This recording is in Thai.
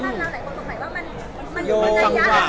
มันอยู่ในปัญหาบางสิ่งหลายอันเลยอะไรแบบนี้ลูก